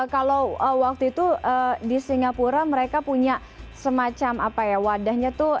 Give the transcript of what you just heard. kalau waktu itu di singapura mereka punya semacam wadahnya itu